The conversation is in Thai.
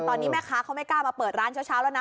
ตอนนี้แม่ค้าเขาไม่กล้ามาเปิดร้านเช้าแล้วนะ